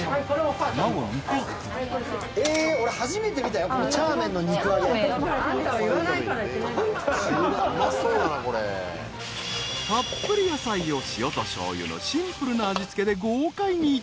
［たっぷり野菜を塩としょうゆのシンプルな味付けで豪快に炒め］